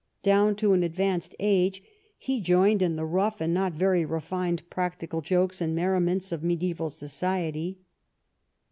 Down to an advanced age he joined in the rough and not very refined practical jokes and merriments of mediaeval society.